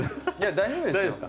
大丈夫ですか？